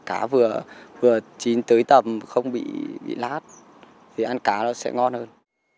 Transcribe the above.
cá vừa chín tới tầm không bị nát thì ăn cá nó sẽ ngon hơn